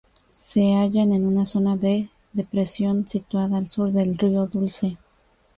Se hallan en una zona de depresión situada al sur del río Dulce.